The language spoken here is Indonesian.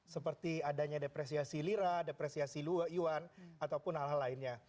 seperti adanya depresiasi lira depresiasi yuan ataupun hal hal lainnya